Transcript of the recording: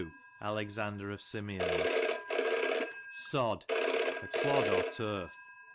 Alexander of Simeons, Sod, a clod, or turf.